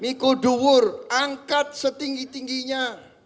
miku duwur angkat setinggi tingginya